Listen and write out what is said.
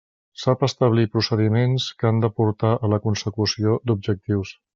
Sap establir procediments que han de portar a la consecució d'objectius.